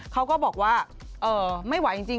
เขาก็บอกว่าไม่ไหวจริง